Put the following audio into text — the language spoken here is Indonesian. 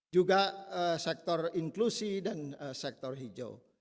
juga sektor inklusi dan sektor hijau